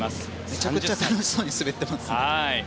めちゃくちゃ楽しそうに滑ってますね。